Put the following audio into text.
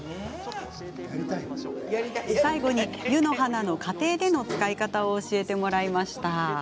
最後に湯の花の家庭での使い方を教えてもらいました。